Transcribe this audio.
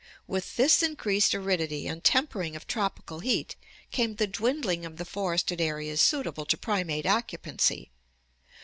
With this increased aridity and tempering of tropical heat came the dwindling of the forested areas suitable to primate occupancy.